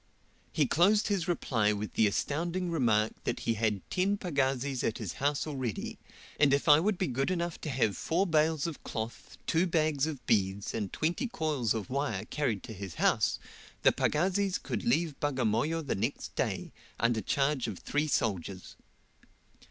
He closed his reply with the astounding remark that he had ten pagazis at his house already, and if I would be good enough to have four bales of cloth, two bags of beads, and twenty coils of wire carried to his house, the pagazis could leave Bagamoyo the next day, under charge of three soldiers.